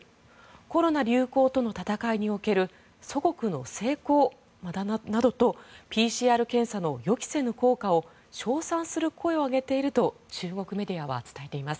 コロナ流行との闘いにおける祖国の成功などとＰＣＲ検査の予期せぬ効果を称賛する声を上げていると中国メディアは伝えています。